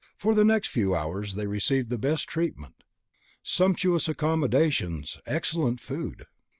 For the next few hours they received the best treatment, sumptuous accommodations, excellent food.